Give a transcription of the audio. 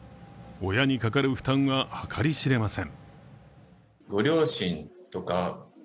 親にかかる負担は計り知れません。